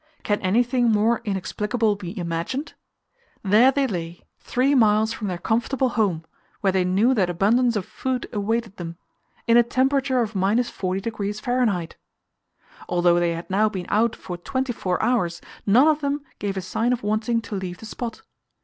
Can anything more inexplicable be imagined? There they lay, three miles from their comfortable home, where they knew that abundance of food awaited them in a temperature of 40°F. Although they had now been out for twenty four hours, none of them gave a sign of wanting to leave the spot.